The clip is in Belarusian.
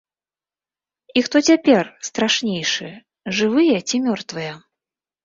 І хто цяпер страшнейшы, жывыя ці мёртвыя?